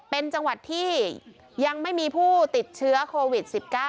เป็นจังหวัดที่ยังไม่มีผู้ติดเชื้อโควิด๑๙